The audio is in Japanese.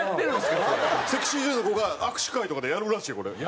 セクシー女優の子が握手会とかでやるらしいよこれ。